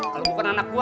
kalau bukan anak gua